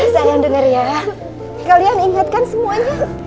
sayang denger ya kalian ingatkan semuanya